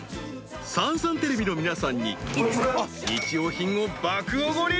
［さんさんテレビの皆さんに日用品を爆おごり］